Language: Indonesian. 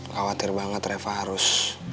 khawatir banget reva harus